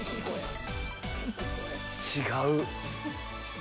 違う。